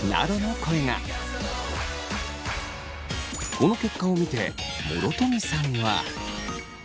この結果を見て諸富さんは。